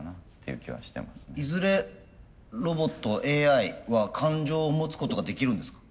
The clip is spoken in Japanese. いずれロボットＡＩは感情を持つことができるんですか？